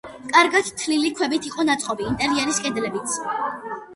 კარგად თლილი ქვებით იყო ნაწყობი ინტერიერის კედლებიც.